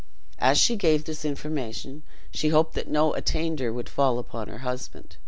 As she gave this information, she hoped that no attainder would fall upon her husband.